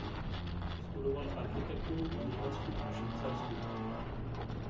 Studoval architekturu v Německu a Švýcarsku.